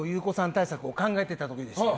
対策を考えていた時でした。